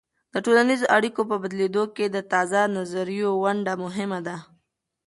د ټولنیزو اړیکو په بدلیدو کې د تازه نظریو ونډه مهمه ده.